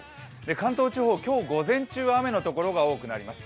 関東地方、今日午前中は雨のところが多くなります。